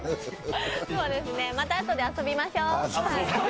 またあとで遊びましょう。